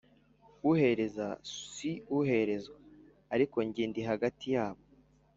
uhereza si uherezwa ariko jyewe ndi hagati yabo